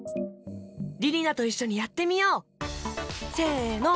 りりなといっしょにやってみよう！せの！